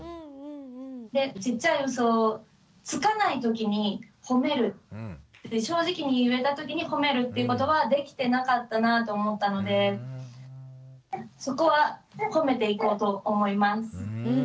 でちっちゃいうそをつかないときにほめる正直に言えたときにほめるということはできてなかったなと思ったのでそこはほめていこうと思います。